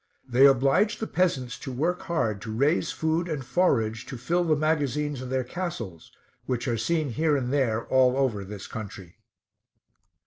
They obliged the peasants to work hard to raise food and forage to ml the magazines of their castles, which are seen here and there all over this country.